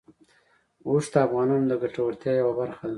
اوښ د افغانانو د ګټورتیا یوه برخه ده.